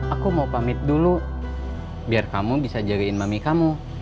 aku mau pamit dulu biar kamu bisa jagain mami kamu